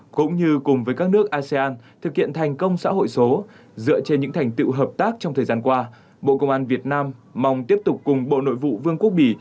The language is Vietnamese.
cũng như cùng với các nước asean thực hiện thành công xã hội số dựa trên những thành tựu hợp tác trong thời gian qua bộ công an việt nam mong tiếp tục cùng bộ nội vụ vương quốc bỉ